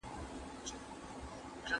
مولانا رومي په ترکیه کې دفن دی.